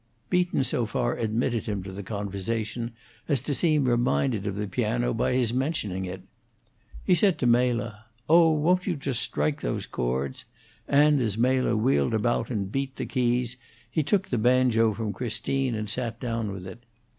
Beaton so far admitted him to the conversation as to seem reminded of the piano by his mentioning it. He said to Mela, "Oh, won't you just strike those chords?" and as Mela wheeled about and beat the keys he took the banjo from Christine and sat down with it.